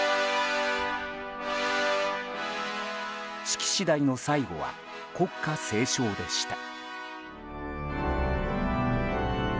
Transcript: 式次第の最後は国歌斉唱でした。